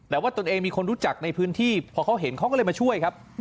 แต่ว่าตนเองมีคนรู้จักในพื้นที่พอเขาเห็นเขาก็เลยมาช่วยครับ